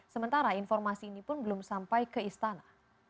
sementara informasi ini pun belum sampai ke istana